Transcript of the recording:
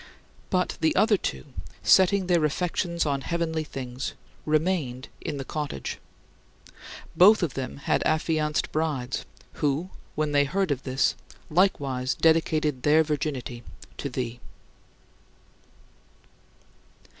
But the other two, setting their affections on heavenly things, remained in the cottage. Both of them had affianced brides who, when they heard of this, likewise dedicated their virginity to thee.